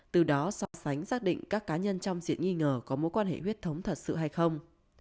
từ đó so sánh xác định các cá nhân trong diện nghi ngờ có mối quan hệ huyết thống thật sự hay không